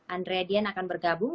andrea dian akan bergabung